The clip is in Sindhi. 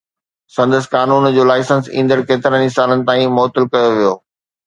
سندس قانون جو لائسنس ايندڙ ڪيترن سالن تائين معطل ڪيو ويو.